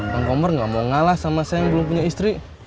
bang komar gak mau ngalah sama saya yang belum punya istri